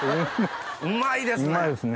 うまいですね！